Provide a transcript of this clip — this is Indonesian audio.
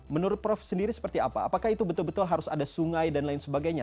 menurut prof sendiri seperti apa apakah itu betul betul harus ada sungai dan lain sebagainya